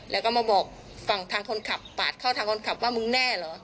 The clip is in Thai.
แล้วก็มาบอกฝั่งทางคนขับปาดเข้าทางคนขับว่ามึงแน่เหรอ